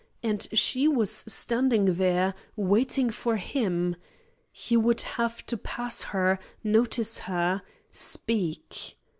And she was standing there, waiting for him! He would have to pass her, notice her, speak.